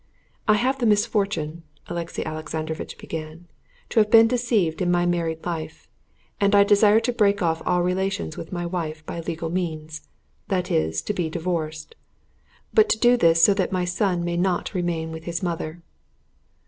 "I have the misfortune," Alexey Alexandrovitch began, "to have been deceived in my married life, and I desire to break off all relations with my wife by legal means—that is, to be divorced, but to do this so that my son may not remain with his mother."